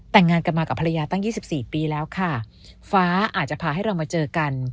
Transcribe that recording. แต่งงานกันมากับภรรยาตั้ง๒๔ปีแล้วค่ะฟ้าอาจจะพาให้เรามาเจอกัน